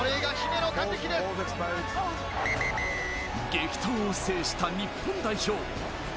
激闘を制した日本代表。